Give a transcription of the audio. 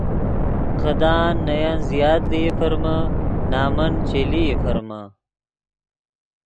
خدان نے ین زیات لئی فرمے نمن چے لئی فرمے